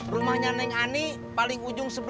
rumahnya neng ani paling ujung